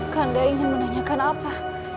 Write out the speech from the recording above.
kanda ingin menanyakan apa